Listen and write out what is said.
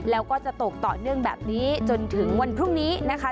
แล้วก็จะตกต่อเนื่องแบบนี้จนถึงวันพรุ่งนี้นะคะ